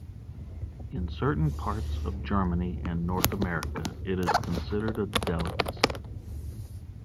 In certain parts of Germany and North America, it is considered a delicacy.